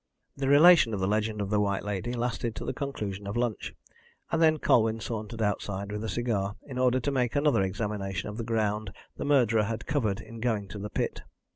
The relation of the legend of the White Lady lasted to the conclusion of lunch, and then Colwyn sauntered outside with a cigar, in order to make another examination of the ground the murderer had covered in going to the pit.